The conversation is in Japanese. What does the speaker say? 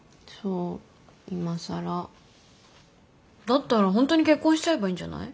だったら本当に結婚しちゃえばいいんじゃない？